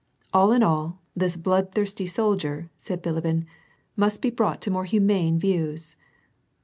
" All in all, this bloodthirsty soldier," said Bilibin, "must be brought to more humane views."